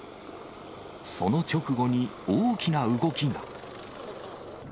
その直後に大きな動きが。